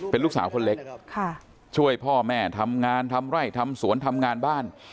เป็นลูกสาวคนเล็กช่วยพ่อแม่ทำงานทำไร่ทำสวนทำงานบ้าน